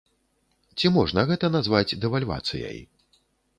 Ці можна гэта назваць дэвальвацыяй?